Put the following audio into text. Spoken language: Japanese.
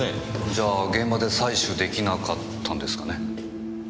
じゃあ現場で採取出来なかったんですかね。